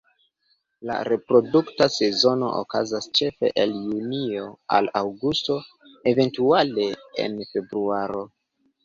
La reprodukta sezono okazas ĉefe el junio al aŭgusto, eventuale en februaro.